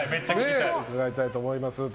伺いたいと思います。